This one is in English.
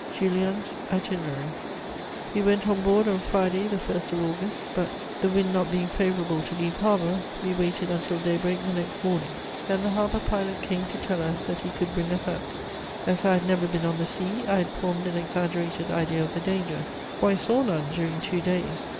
JULIEN'S ITINERARY. "We went on board on Friday the 1st of August; but, the wind not being favourable to leave harbour, we waited until daybreak the next morning. Then the harbour pilot came to tell us that he could bring us out. As I had never been on the sea, I had formed an exaggerated idea of the danger, for I saw none during two days.